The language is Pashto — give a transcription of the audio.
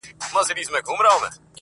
او ستا پر قبر به.